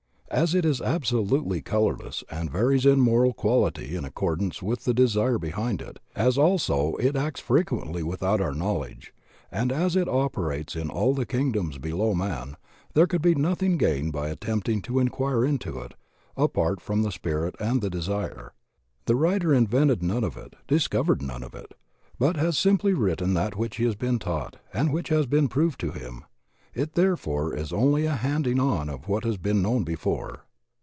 As it is absolutely colorless and varies in moral quality in accordance with the desire behind it, as also it acts frequently without our knowledge, and as it operates in all the kingdoms below man, there could be nothing gained by attempting to inquire into it apart from the Spirit and the desire. No originality is claimed for this book. The writer invented none of it, discovered none of it, but has simply written that which he has been taught and which has been proved to him. It therefore is only a handing on of what has been known before.